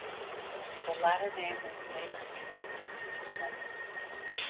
The latter name was later transferred to his brother.